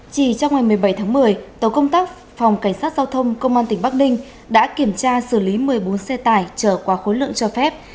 chỉ trong ngày một mươi bảy tháng một mươi tổ công tác phòng cảnh sát giao thông công an tỉnh bắc ninh đã kiểm tra xử lý một mươi bốn xe tải chở qua khối lượng cho phép